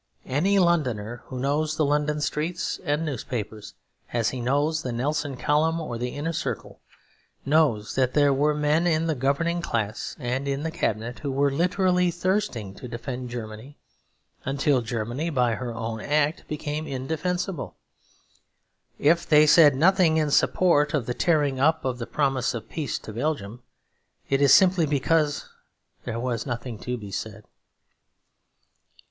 Any Londoner who knows the London streets and newspapers as he knows the Nelson column or the Inner Circle, knows that there were men in the governing class and in the Cabinet who were literally thirsting to defend Germany until Germany, by her own act, became indefensible. If they said nothing in support of the tearing up of the promise of peace to Belgium, it is simply because there was nothing to be said.